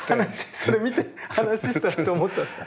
それ見て話したらと思ったんですか？